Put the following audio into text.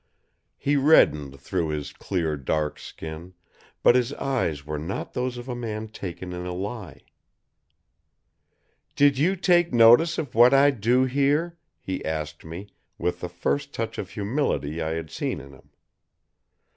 He reddened through his clear, dark skin, but his eyes were not those of a man taken in a lie. "Did you take notice of what I do here?" He asked me, with the first touch of humility I had seen in him.